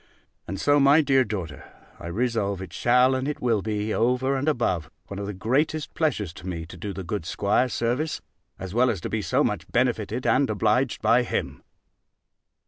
And so, my dear daughter, I resolve it shall; and it will be, over and above, one of the greatest pleasures to me, to do the good 'squire service, as well as to be so much benefited and obliged by him.